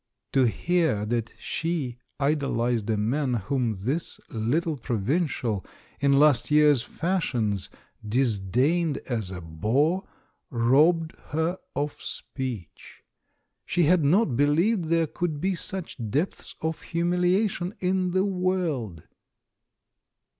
To hear that she idoHsed a man whom this little provincial in last's year's fashions dis dained as a bore, robbed her of speech. She had not believed there could be such depths of humil iation in the world.